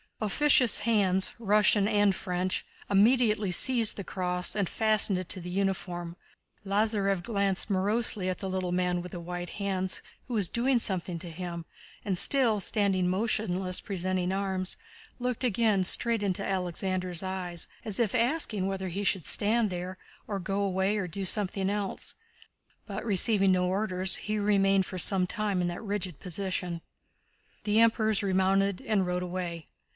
Officious hands, Russian and French, immediately seized the cross and fastened it to the uniform. Lázarev glanced morosely at the little man with white hands who was doing something to him and, still standing motionless presenting arms, looked again straight into Alexander's eyes, as if asking whether he should stand there, or go away, or do something else. But receiving no orders, he remained for some time in that rigid position. The Emperors remounted and rode away.